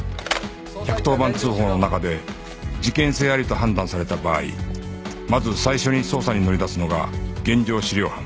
１１０番通報の中で事件性ありと判断された場合まず最初に捜査に乗り出すのが現場資料班